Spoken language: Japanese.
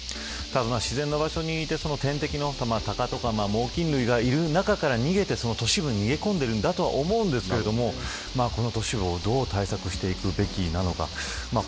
自然の場所に行って天敵のたかとか猛きん類がいる中から逃げて都市部に逃げ込んでいるんだとは思いますがこの都市部をどう対策していくべきなのか。